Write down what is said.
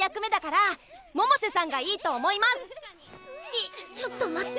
えっちょっと待って。